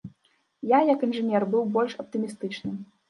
Я, як інжынер, быў больш аптымістычны.